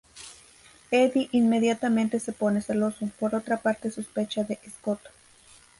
Eddie inmediatamente se pone celoso, por otra parte sospecha de Scott.